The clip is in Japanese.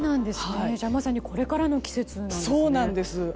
まさにこれからの季節なんですね。